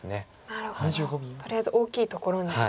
なるほどとりあえず大きいところにと。